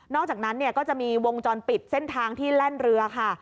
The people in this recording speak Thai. อกจากนั้นเนี่ยก็จะมีวงจรปิดเส้นทางที่แล่นเรือค่ะ